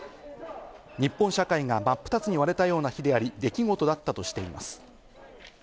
日本社会が真っ二つに割れたような日であり、出来事だったとしています。